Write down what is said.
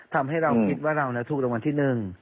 ทำให้เราคิดว่าเราถูกรางวัลที่๑